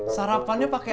sarapannya pake apa